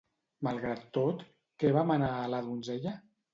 Malgrat tot, què va manar a la donzella?